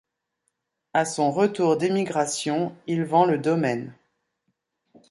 À son retour d'émigration, il vend le domaine.